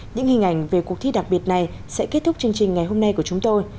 những hình ảnh về cuộc thi đặc biệt này sẽ kết thúc chương trình ngày hôm nay của chúng tôi